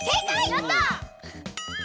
やった！